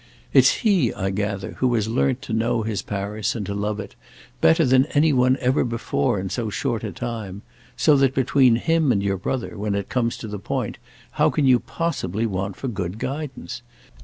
"It's he, I gather, who has learnt to know his Paris, and to love it, better than any one ever before in so short a time; so that between him and your brother, when it comes to the point, how can you possibly want for good guidance?